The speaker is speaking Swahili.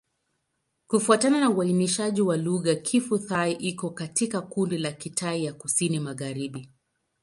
Kufuatana na uainishaji wa lugha, Kiphu-Thai iko katika kundi la Kitai ya Kusini-Magharibi.